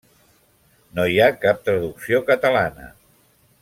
No hi ha cap traducció catalana.